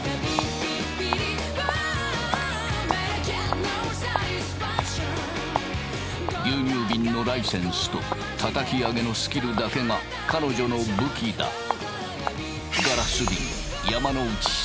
牛乳びんのライセンスとたたき上げのスキルだけが彼女の武器だ。